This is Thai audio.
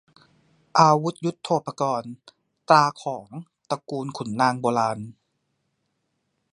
อาวุธยุทโธปกรณ์ ตราของตระกูลขุนนางโบราณ